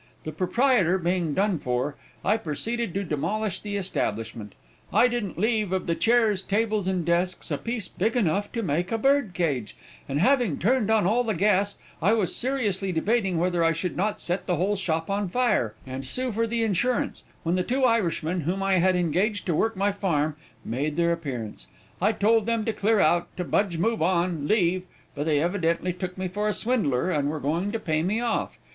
"The proprietor being done for, I proceeded to demolish the establishment; I didn't leave, of the chairs, tables, and desks, a piece big enough to make a bird cage, and having turned on all the gas, I was seriously debating whether I should not set the whole shop on fire, and sue for the insurance, when the two Irishmen, whom I had engaged to work my farm, made their appearance. I told them to clear out, to budge, move on, leave, but they evidently took me for a swindler, and were bound to pay me off.